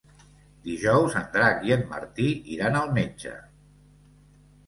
Dijous en Drac i en Martí iran al metge.